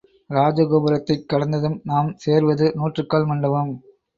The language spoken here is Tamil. ராஜகோபுரத்தைக் கடந்ததும் நாம் சேர்வது நூற்றுக்கால் மண்டபம்.